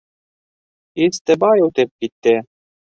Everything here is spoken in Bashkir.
Истебай үтеп китте.